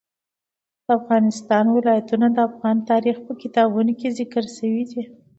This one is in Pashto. د افغانستان ولايتونه د افغان تاریخ په کتابونو کې ذکر شوی دي.